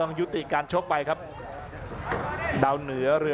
อัศวินาศาสตร์